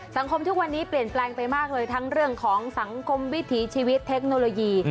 สังคมทุกวันนี้เปลี่ยนแปลงไปมากเลยทั้งเรื่องของสังคมวิถีชีวิตเทคโนโลยี